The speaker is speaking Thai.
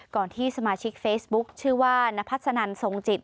ที่สมาชิกเฟซบุ๊คชื่อว่านพัสนันทรงจิต